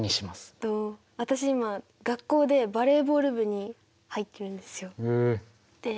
私今学校でバレーボール部に入ってるんですよ。